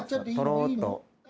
とろっと。